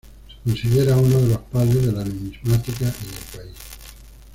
Se considera uno de los "padres" de la numismática en el país.